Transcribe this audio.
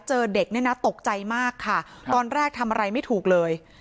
เจอเด็กเนี่ยนะตกใจมากค่ะตอนแรกทำอะไรไม่ถูกเลย